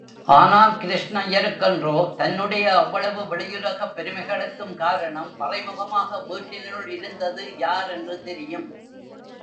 ஆனால் கிருஷ்ணய்யருக்கன்றோ, தன்னுடைய அவ்வளவு வெளியுலகப் பெருமைகளுக்கும் காரணம் மறைமுகமாக வீட்டினுள் இருந்தது, யார் என்று தெரியும்.